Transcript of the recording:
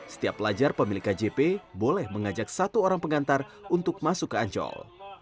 setiap pelajar pemilik kjp boleh mengajak satu orang pengantar untuk masuk ke ancol